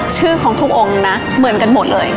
ชื่อของทุกองค์นะเหมือนกันหมดเลย